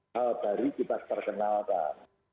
hal dari kita perkenalkan